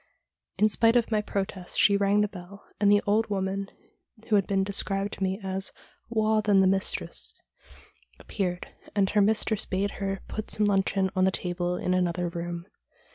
In spite of my protests she rang the bell, and the old woman who had been described to me as ' waur than the mistress ' appeared, and her mistress bade her put some luncheon on the table in another room.